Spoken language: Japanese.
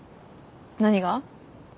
何が？